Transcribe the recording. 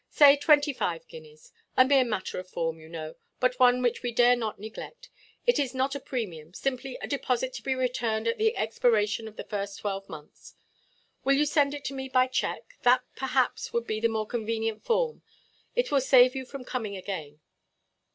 Say twenty–five guineas. A mere matter of form, you know; but one which we dare not neglect. It is not a premium; simply a deposit; to be returned at the expiration of the first twelve months. Will you send it to me by cheque? That, perhaps, would be the more convenient form. It will save you from coming again."